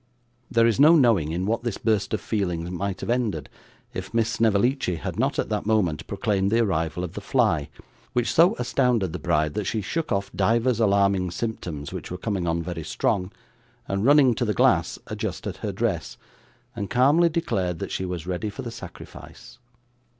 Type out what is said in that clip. There is no knowing in what this burst of feeling might have ended, if Miss Snevellicci had not at that moment proclaimed the arrival of the fly, which so astounded the bride that she shook off divers alarming symptoms which were coming on very strong, and running to the glass adjusted her dress, and calmly declared that she was ready for the sacrifice.